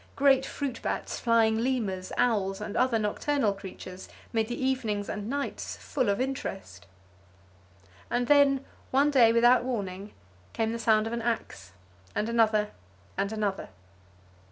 Great fruit bats, flying lemurs, owls and other nocturnal creatures made the evenings and nights full of interest. And then, one day without warning came the sound of an ax, and another and another.